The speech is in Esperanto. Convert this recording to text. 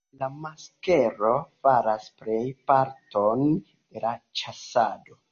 La masklo faras plej parton de la ĉasado.